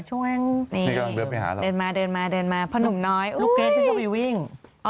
ช่วยไหมให้มาเดินมาเดินมาเพราะหนูน้อยคูมิวิ่งอ